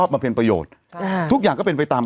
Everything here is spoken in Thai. บำเพ็ญประโยชน์ทุกอย่างก็เป็นไปตาม